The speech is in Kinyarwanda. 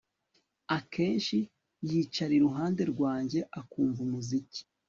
Akenshi yicara iruhande rwanjye akumva umuziki